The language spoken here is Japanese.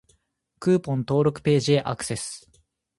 クーポン登録ページへアクセス